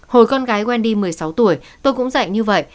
hồi con gái wendy một mươi sáu tuổi tôi cũng dạy như vậy